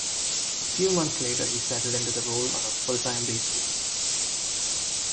A few months later he settled into the role on a full-time basis.